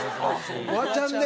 フワちゃんで？